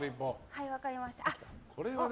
はい、分かりました。